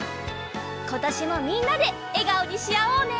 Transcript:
ことしもみんなでえがおにしあおうね！